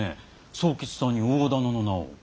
左右吉さんに大店の名を。